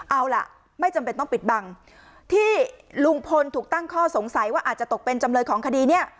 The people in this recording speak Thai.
เอาล่ะไม่จำเป็นต้องปิดบังที่ลุงพลถูกตั้งข้อสงสัยว่าอาจจะตกเป็นจำเลยของคดีเนี่ย